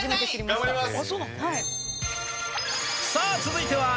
頑張ります！